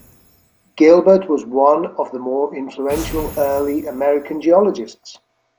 Gilbert was one of the more influential early American geologists.